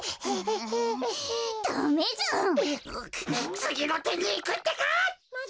つぎのてにいくってか！